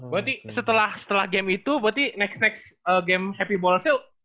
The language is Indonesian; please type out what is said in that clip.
berarti setelah game itu berarti next next game happy bolsel